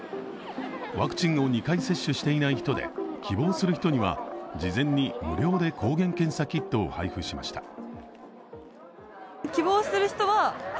ワクチンを２回接種していない人で希望する人には事前に無料で抗原検査キットを配布しました。